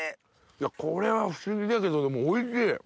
これは不思議だけどおいしい！